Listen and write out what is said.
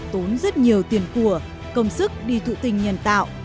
tốn rất nhiều tiền của công sức đi thụ tinh nhân tạo